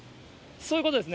そういうことですね。